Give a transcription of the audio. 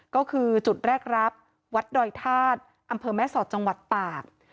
ก็คือจุดแรกรับวัดดอยทาติอเมฆศทจังหวัดปาก